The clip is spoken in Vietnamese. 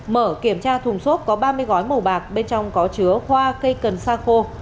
mở kiểm tra thùng xốp có ba mươi gói màu bạc bên trong có chứa hoa cây cần sa khô